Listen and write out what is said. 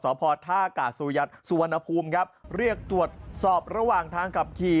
สพท่ากาศูยัดสุวรรณภูมิครับเรียกตรวจสอบระหว่างทางขับขี่